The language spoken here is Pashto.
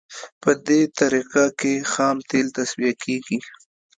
په دې طریقه کې خام تیل تصفیه کیږي